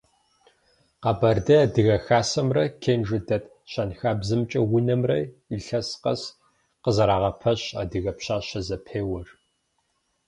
Къэбэрдей адыгэ хасэмрэ Кенжэ дэт щэнхабзэмкӏэ унэмрэ илъэс къэс къызэрагъэпэщ «Адыгэ пщащэ» зэпеуэр.